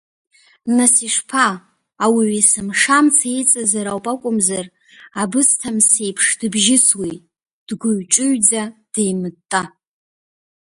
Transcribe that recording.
Нас ишԥа, ауаҩ есымша амца иҵазар ауп акәымзар, абысҭамсеиԥш дыбжьысуеит, дгәыҩ-ҿыҩӡа, деимытта.